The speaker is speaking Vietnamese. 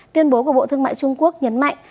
tuyên bố của bộ thương mại trung quốc nhấn mạnh